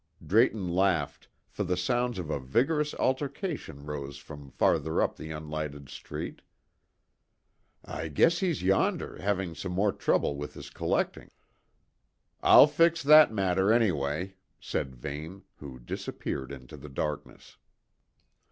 Drayton laughed, for the sounds of a vigorous altercation rose from farther up the unlighted street. "I guess he's yonder, having some more trouble with his collecting." "I'll fix that matter, anyway," said Vane, who disappeared into the darkness.